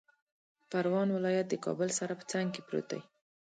پروان ولایت د کابل سره په څنګ کې پروت دی